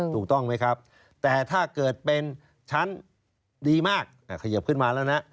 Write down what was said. ถูกต้องไหมครับแต่ถ้าเกิดเป็นชั้นดีมากขยิบขึ้นมาแล้วนะ